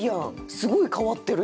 すごい変わってるやん！